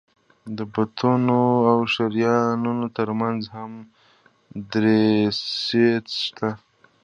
د بطنونو او شریانونو تر منځ هم دریڅې شته.